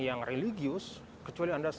yang religius kecuali anda